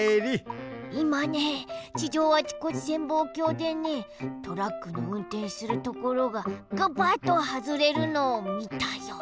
いまね地上あちこち潜望鏡でねトラックのうんてんするところがガバッとはずれるのをみたよ。